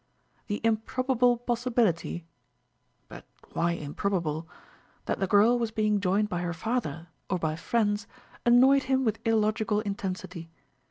The improbable possibility (But why improbable?) that the girl was being joined by her father, or by friends, annoyed him with illogical intensity.